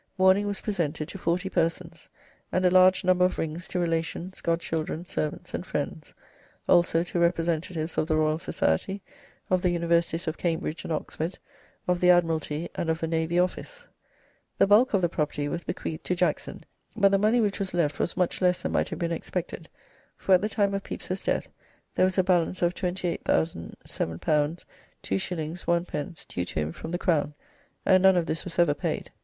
Mourning was presented to forty persons, and a large number of rings to relations, godchildren, servants, and friends, also to representatives of the Royal Society, of the Universities of Cambridge and Oxford, of the Admiralty, and of the Navy Office. The bulk of the property was bequeathed to Jackson, but the money which was left was much less than might have been expected, for at the time of Pepys's death there was a balance of L28,007 2s. 1d. due to him from the Crown, and none of this was ever paid.